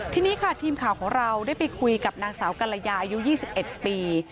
ทีนี้ทีมข่าวของเราได้ไปคุยกับหนังสาวกรยายู๒๑ปี